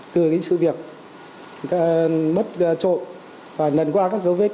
từ những sự việc mất trộm và nần qua các dấu vết